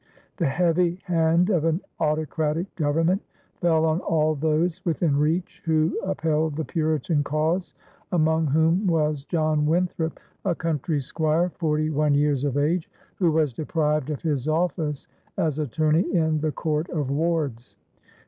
The heavy hand of an autocratic government fell on all those within reach who upheld the Puritan cause, among whom was John Winthrop, a country squire, forty one years of age, who was deprived of his office as attorney in the Court of Wards.